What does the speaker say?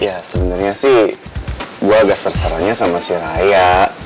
ya sebenernya sih gue agak serseranya sama si raya